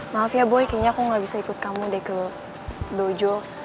maaf ya boy kayaknya aku gak bisa ikut kamu deh ke dojo